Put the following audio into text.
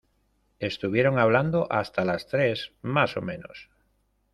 Estuvieron hablando hasta las tres, más o menos.